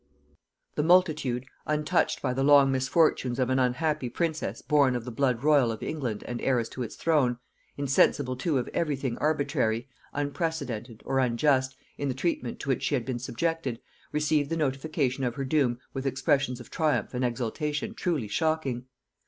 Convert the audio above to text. The multitude, untouched by the long misfortunes of an unhappy princess born of the blood royal of England and heiress to its throne, insensible too of every thing arbitrary, unprecedented, or unjust, in the treatment to which she had been subjected, received the notification of her doom with expressions of triumph and exultation truly shocking.